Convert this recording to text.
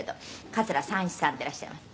「桂三枝さんでいらっしゃいます」